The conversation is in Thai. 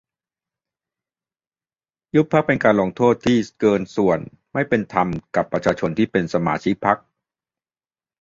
ยุบพรรคเป็นการลงโทษที่เกินส่วน ไม่เป็นธรรมกับประชาชนที่เป็นสมาชิกพรรค